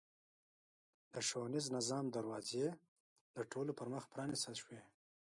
د ښوونیز نظام دروازې د ټولو پرمخ پرانېستل شوې.